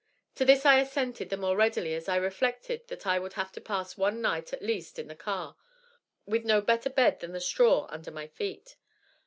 To this I assented the more readily as I reflected that I would have to pass one night at least in the car, with no better bed than the straw under my feet.